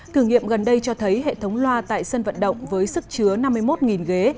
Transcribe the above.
thử nghiệm gần đây cho thấy hệ thống loa tại sân vận động với sức chứa năm mươi một ghế